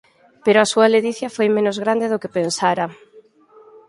Pero a súa ledicia foi menos grande do que pensara.